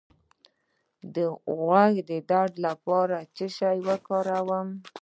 د غوږ د درد لپاره باید څه شی وکاروم؟